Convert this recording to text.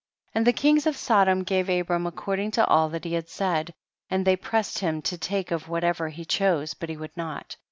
17. And the kings of Sodom gave Abram according to all that he had said, and they pressed him to take of whatever he cliose, but he would not.